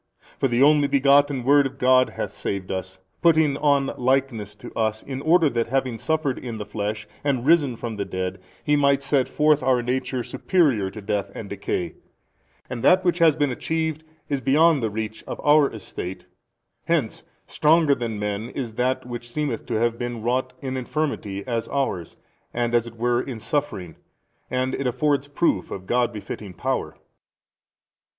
For the Only Begotten Word of God hath saved us, putting on likeness to us in order that having suffered in the flesh and risen from the dead He might set forth our nature superior to death and decay. And that which has been achieved is beyond the reach of |316 our estate. Hence stronger than men is that which seemeth to have been wrought in infirmity as ours and as it were in suffering, and it affords proof of God befitting power.